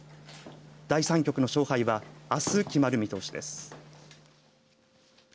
第３局の勝敗はあす決まる見通しです。